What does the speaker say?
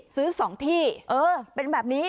หรือสองที่เออเป็นแบบนี้